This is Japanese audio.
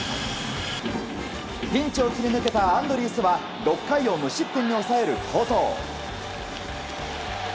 ピンチを切り抜けたアンドリースは６回を無失点に抑える好投。